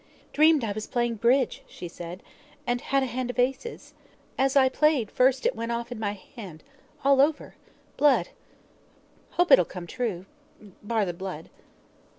"Dreamed I was playing bridge," she said, "and had a hand of aces. As I played the first it went off in my hand. All over. Blood. Hope it'll come true. Bar the blood."